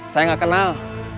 saya gak kenal